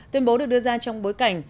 tuyên bố được đưa ra trong bối cảnh